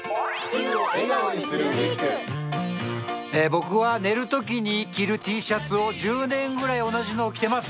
僕は寝るときに着るＴシャツを１０年ぐらい着ています。